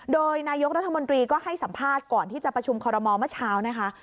โดยนายกรัฐมนตรีก็ให้สัมภาษณ์ก่อนที่จะประชุมคอรมอลเมื่อเช้านะคะ